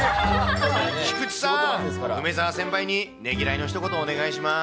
菊池さん、梅澤先輩にねぎらいのひと言をお願いします。